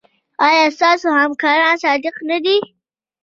ایا ستاسو همکاران صادق نه دي؟